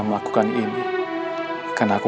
janganlah kamu yang takut